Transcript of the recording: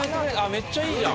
めっちゃいいじゃん。